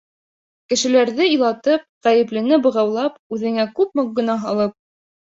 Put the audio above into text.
Кешеләрҙе илатып, ғәйеплене бығаулап, үҙенә күпме гонаһ алып.